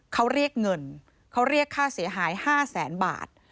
เขาเรียกเงินเขาเรียกค่าเสียหาย๕แสนบาท